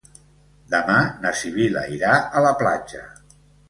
Demà na Sibil·la irà a la platja.